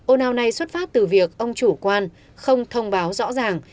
ồn ào này xuất phát từ việc ông chủ quan không thông báo rõ ràng